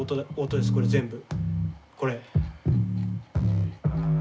これ。